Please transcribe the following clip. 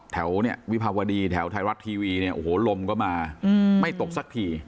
แถววิพาวดีแถวไทยรัสทีวีลมก็มาไม่ตกสักที